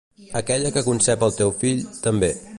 Aquella que concep el teu fill, també.